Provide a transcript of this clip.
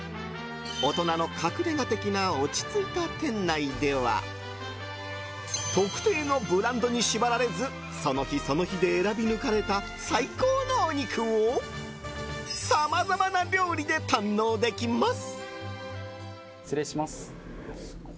大人の隠れ家的な落ち着いた店内では特定のブランドに縛られずその日その日で選び抜かれた最高のお肉をさまざまな料理で堪能できます。